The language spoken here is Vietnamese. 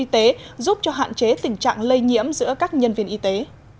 trạng lây nhiễm giữa các nhân viên y tế